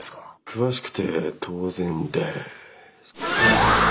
詳しくて当然です。